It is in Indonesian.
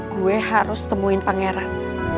gue harus temuin pangeran